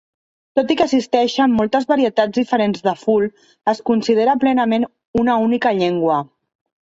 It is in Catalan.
Tot i que existeixen moltes varietats diferents del ful, es considera plenament una única llengua.